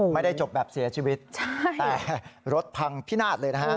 ไม่ได้จบแบบเสียชีวิตแต่รถพังพินาศเลยนะฮะ